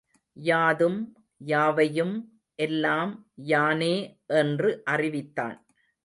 யாதும், யாவையும் எல்லாம் யானே என்று அறிவித்தான்.